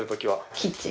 キッチン？